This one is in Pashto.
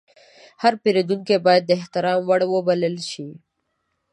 هر پیرودونکی باید د احترام وړ وبلل شي.